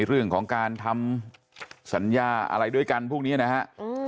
เรื่องของการทำสัญญาอะไรด้วยกันพวกนี้นะฮะ